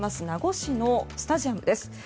名護市のスタジアムです。